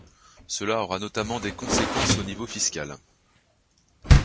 Cela aura notamment des conséquences au niveau fiscal.